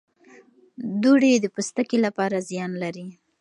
دوړې د پوستکي لپاره زیان لري.